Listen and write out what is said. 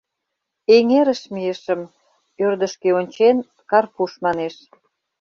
— Эҥерыш мийышым, — ӧрдыжкӧ ончен, Карпуш манеш.